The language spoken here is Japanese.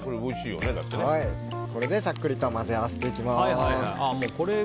これでさっくりと混ぜ合わせていきます。